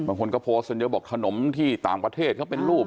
บางคนก็โพสต์กันเยอะบอกขนมที่ต่างประเทศเขาเป็นรูป